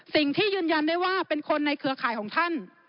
ยืนยันได้ว่าเป็นคนในเครือข่ายของท่าน